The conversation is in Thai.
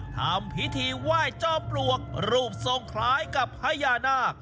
ทำพิธีไหว้จอมปลวกรูปทรงคล้ายกับพญานาค